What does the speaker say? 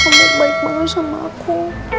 kamu baik banget sama aku